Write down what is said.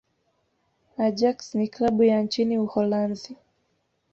ajax ni klabu ya nchini uholanzi